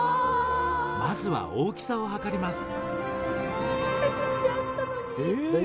まずは大きさを測ります。